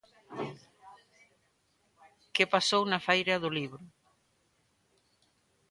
Que pasou na Feira do Libro?